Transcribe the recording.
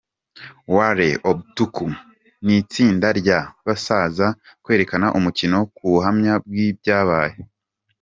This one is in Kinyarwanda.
Wale Obutoku n’itsinda rye bazaza kwerekana umukino ku buhamya bw’ibyabaye.